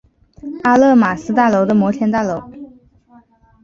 阿勒玛斯大楼的摩天大楼。